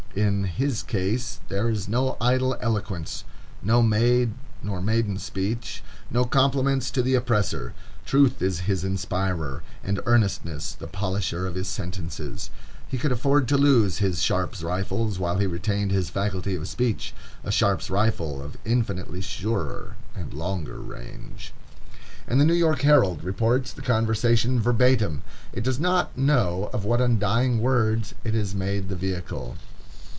In his case there is no idle eloquence, no made, nor maiden speech, no compliments to the oppressor. Truth is his inspirer, and earnestness the polisher of his sentences. He could afford to lose his Sharp's rifles, while he retained his faculty of speech,—a Sharp's rifle of infinitely surer and longer range. And the New York Herald reports the conversation verbatim! It does not know of what undying words it is made the vehicle.